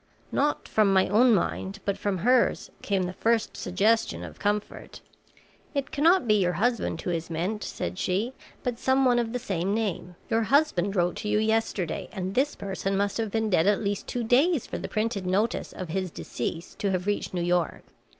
"Not from my own mind but from hers came the first suggestion of comfort. "'It cannot be your husband who is meant,' said she; 'but some one of the same name. Your husband wrote to you yesterday, and this person must have been dead at least two days for the printed notice of his decease to have reached New York.